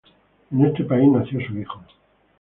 En ese país nació su hijo.